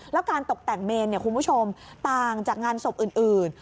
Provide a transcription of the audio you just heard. แล้วการตกแต่งเมนคุณผู้ชมต่างจากงานศพอื่น